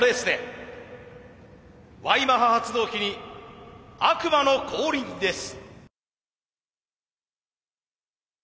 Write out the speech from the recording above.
Ｙマハ発動機に悪魔の降臨です。